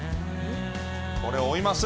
これ、追います。